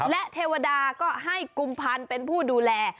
และเทวดาก็ให้กุมพันธ์เป็นผู้ดูแล